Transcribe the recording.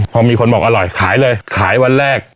พอมีคนบอกอร่อยขายเลยขายวันแรก